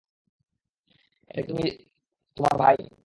এটা কি তুমি আর তোমার ভাই?